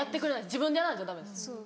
自分でやらないとダメです。